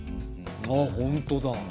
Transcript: あっほんとだ。